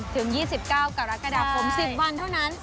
ถึง๒๙กรกฎาคม๑๐วันเท่านั้น